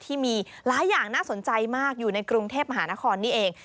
ที่มีหลายอย่างน่าสนใจมากอยู่ในกรุงเทพมหานครนี่เอง